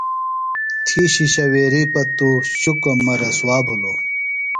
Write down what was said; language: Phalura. تھی شِشویریۡ پتوۡ شُکم مہ رسوا بِھلوۡ۔